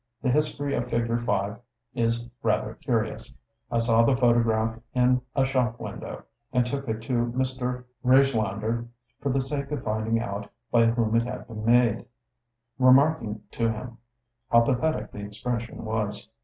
The history of fig. 5 is rather curious: I saw the photograph in a shop window, and took it to Mr. Rejlander for the sake of finding out by whom it had been made; remarking to him how pathetic the expression was.